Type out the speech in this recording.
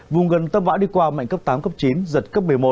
vùng gần tâm bão đi qua mạnh cấp tám cấp chín giật cấp một mươi một